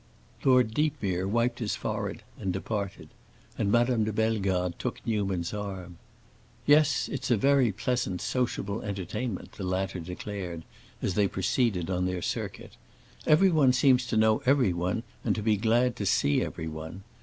Lord Deepmere wiped his forehead and departed, and Madame de Bellegarde took Newman's arm. "Yes, it's a very pleasant, sociable entertainment," the latter declared, as they proceeded on their circuit. "Everyone seems to know everyone and to be glad to see everyone.